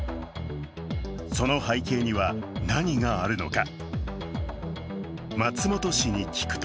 その背景には、何があるのか。